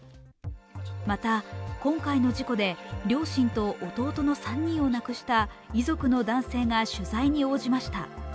また、今回の事故で両親と弟の３人を亡くした遺族の男性が取材に応じました。